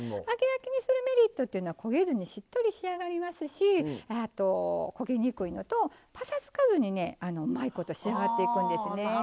揚げ焼きにするメリットというのは焦げずにしっとり仕上がりますし焦げにくいのとパサつかずにねうまいこと仕上がっていくんですね。